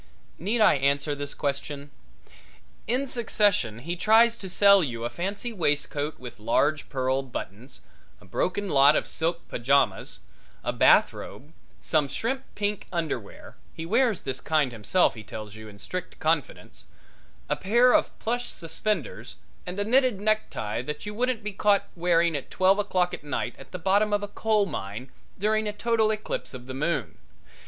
Need I answer this question? In succession he tries to sell you a fancy waistcoat with large pearl buttons, a broken lot of silk pajamas, a bath robe, some shrimp pink underwear he wears this kind himself he tells you in strict confidence a pair of plush suspenders and a knitted necktie that you wouldn't be caught wearing at twelve o'clock at night at the bottom of a coal mine during a total eclipse of the moon.